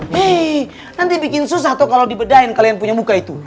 hei nanti bikin susah toh kalo dibedain kalian punya muka itu